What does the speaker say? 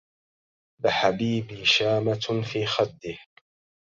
لحبيبي شامة في خده